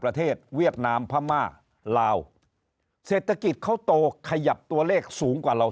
เวียดนามพม่าลาวเศรษฐกิจเขาโตขยับตัวเลขสูงกว่าเรา